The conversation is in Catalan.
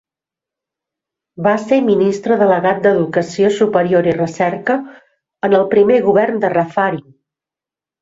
Va ser Ministre delegat d'Educació Superior i Recerca en el primer govern de Raffarin.